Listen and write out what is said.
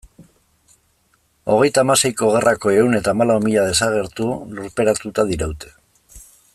Hogeita hamaseiko gerrako ehun eta hamalau mila desagertu lurperatuta diraute.